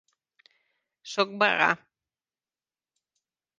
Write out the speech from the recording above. Soc vegà.